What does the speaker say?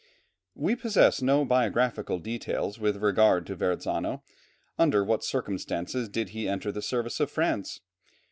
We possess no biographical details with regard to Verrazzano. Under what circumstances did he enter the service of France?